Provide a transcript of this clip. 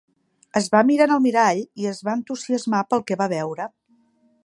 Es va mirar en el mirall i es va entusiasmar pel que va veure.